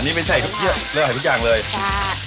อันนี้ไปใส่ตุ๊กเครื่องไซด์พรุ่งเครื่องไซด์ทุกอย่างเลยค่ะ